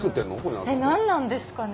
何なんですかね？